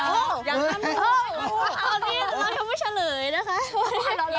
เอานี่เราไม่เฉลยนะคะ